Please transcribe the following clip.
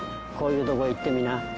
こういう所行ってみな」